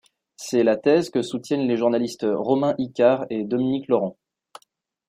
C'est la thèse que soutiennent les journalistes Romain Icard et Dominique Lorentz.